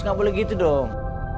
nggak boleh gitu dong